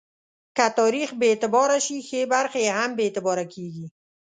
که تاریخ بې اعتباره شي، ښې برخې یې هم بې اعتباره کېږي.